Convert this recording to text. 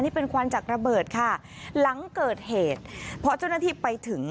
นี่เป็นควันจากระเบิดค่ะหลังเกิดเหตุพอเจ้าหน้าที่ไปถึง